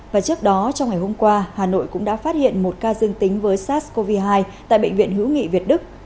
và trước đó trong ngày hôm qua hà nội cũng đã phát hiện một ca dương tính với sars cov hai tại bệnh viện hữu nghị việt đức